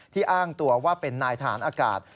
อ้างตัวว่าเป็นนายทหารอากาศ